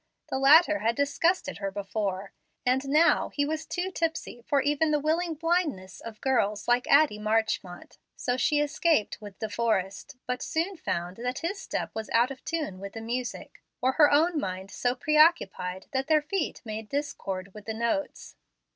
The latter had disgusted her before, and now he was too tipsy for even the willing blindness of girls like Addie Marchmont, so she escaped with De Forrest, but soon found that his step was out of tune with the music, or her own mind so preoccupied that their feet made discord with the notes.